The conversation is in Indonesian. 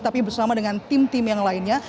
tapi bersama dengan tim tim yang lainnya